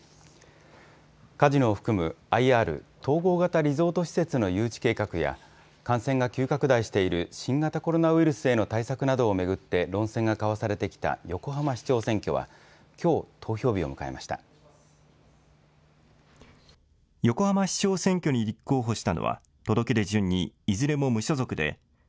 カジノを含むＩＲ・統合型リゾート施設の誘致計画や、感染が急拡大している新型コロナウイルスへの対策などを巡って論戦が交わされてきた横浜市長選挙はきょう、投票日を迎えました。